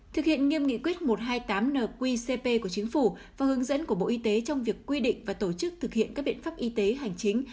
thực hiện nghiêm nghị quyết một trăm hai mươi tám nqcp của chính phủ và hướng dẫn của bộ y tế trong việc quy định và tổ chức thực hiện các biện pháp y tế hành chính